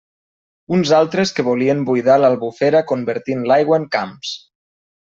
Uns altres que volien buidar l'Albufera convertint l'aigua en camps!